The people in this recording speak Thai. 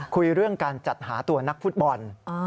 คุยเรื่องการจัดหาตัวนักฟุตบอล